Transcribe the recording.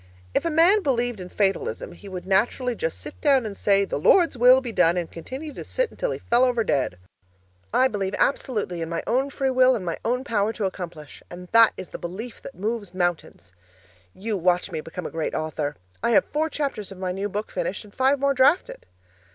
If a man believed in fatalism, he would naturally just sit down and say, 'The Lord's will be done,' and continue to sit until he fell over dead. I believe absolutely in my own free will and my own power to accomplish and that is the belief that moves mountains. You watch me become a great author! I have four chapters of my new book finished and five more drafted.